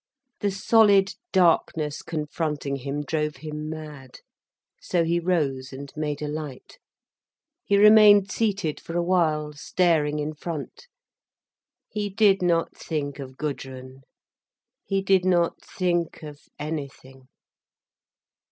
The solid darkness confronting him drove him mad. So he rose, and made a light. He remained seated for a while, staring in front. He did not think of Gudrun, he did not think of anything.